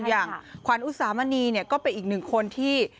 อย่างขวัญอุสามณีเนี่ยก็เป็นอีกหนึ่งคนที่